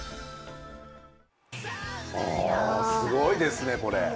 すごいですね、これ。